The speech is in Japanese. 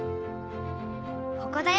ここだよ。